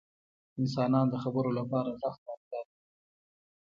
• انسانان د خبرو لپاره ږغ ته اړتیا لري.